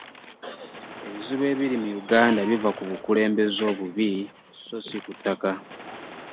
Ebizibu ebiri mu Uganda biva ku bukulembeze bubi so si ku ttaka